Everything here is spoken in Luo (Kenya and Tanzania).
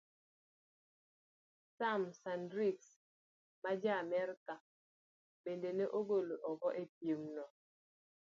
Sam Kendrieks ma Ja-Amerka bende ne ogol oko e piemno.